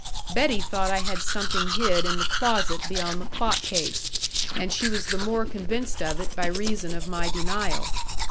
Betty thought I had something hid in the closet beyond the clock case, and she was the more convinced of it by reason of my denial.